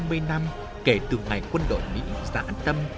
gần năm mươi năm kể từ ngày quân đội mỹ giãn tâm